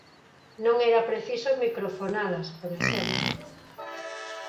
Non era preciso microfonalas, por exemplo.